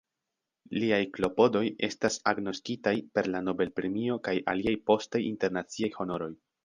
Liaj klopodoj estas agnoskitaj per la Nobel-premio kaj aliaj postaj internaciaj honoroj.